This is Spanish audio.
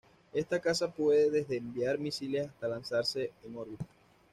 Esta casa puede desde enviar misiles hasta lanzarse en órbita.